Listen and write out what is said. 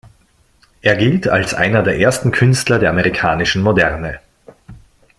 Er gilt als einer der ersten Künstler der amerikanischen Moderne.